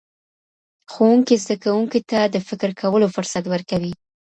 ښوونکی زدهکوونکي ته د فکر کولو فرصت ورکوي.